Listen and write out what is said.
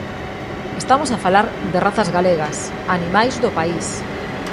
Estamos a falar de razas galegas, animais do país.